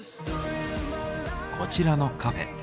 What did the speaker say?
こちらのカフェ。